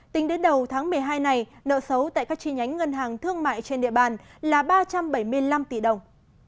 tính đến đầu tháng một mươi hai này nợ xấu tại các chi nhánh ngân hàng thương mại trên địa bàn là ba trăm bảy mươi năm tỷ đồng